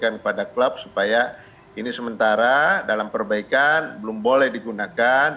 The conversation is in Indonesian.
saya sampaikan kepada klub supaya ini sementara dalam perbaikan belum boleh digunakan